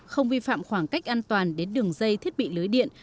không vi phạm khoảng cách an toàn đến đường dây thiết bị lưới điện